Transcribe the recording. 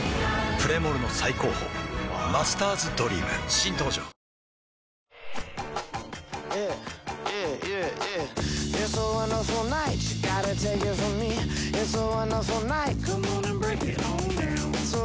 プレモルの最高峰「マスターズドリーム」新登場ワオ草薙